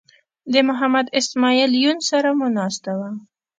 د محمد اسماعیل یون سره مو ناسته وه.